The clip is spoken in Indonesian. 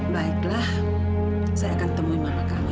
baiklah saya akan temui mama kamu ya